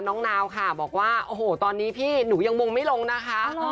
นาวค่ะบอกว่าโอ้โหตอนนี้พี่หนูยังมงไม่ลงนะคะ